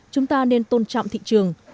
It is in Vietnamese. chúng ta nên tôn trọng thị trường